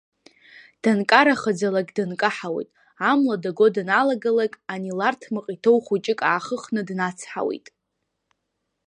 Данкараӡахалак дынкаҳауеит, амла даго даналагалак ани ларҭмаҟ иҭоу хәыҷык аахыхны днацҳауеит.